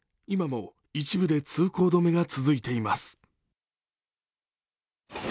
今も一部で通行止めが続いています。